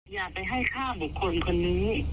อย่าไปให้ฆ่าบุคคลคนนี้